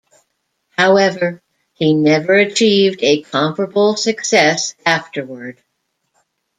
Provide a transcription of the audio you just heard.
However, he never achieved a comparable success afterward.